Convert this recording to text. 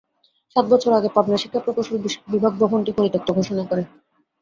সাত বছর আগে পাবনা শিক্ষা প্রকৌশল বিভাগ ভবনটি পরিত্যক্ত ঘোষাণা করে।